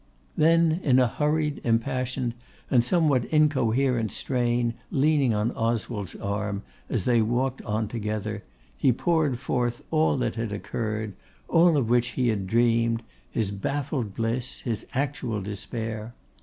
Then in a hurried, impassioned, and somewhat incoherent strain, leaning on Oswald's arm, as they walked on together, he poured forth all that had occurred, all of which he had dreamed; his baffled bliss, his actual despair.